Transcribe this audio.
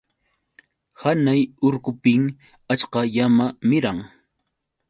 Hanay urqupim achka llama miran.